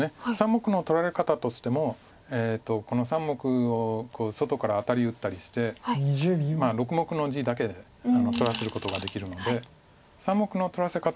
３目の取られ方としてもこの３目を外からアタリ打ったりして６目の地だけで取らせることができるので３目の取らせ方も小さかった。